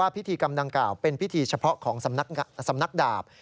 พิธีกรรมดังกล่าวเป็นพิธีเฉพาะของสำนักดาบ